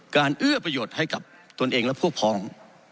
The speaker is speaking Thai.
เอื้อประโยชน์ให้กับตนเองและพวกพอง